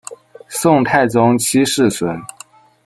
宋太宗七世孙。